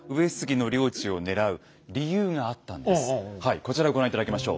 こちらご覧頂きましょう。